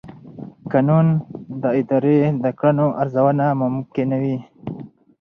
قانون د ادارې د کړنو ارزونه ممکنوي.